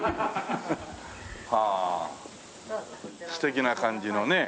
はあ素敵な感じのね。